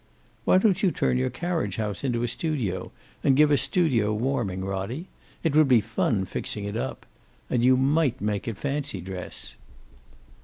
"Why don't you turn your carriage house into a studio, and give a studio warming, Roddie? It would be fun fixing it up. And you might make it fancy dress."